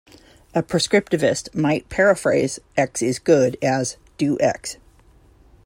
A prescriptivist might paraphrase "X is good" as "Do X!".